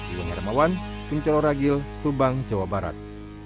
iwan yarmawan kunchalo ragil subang jawa barat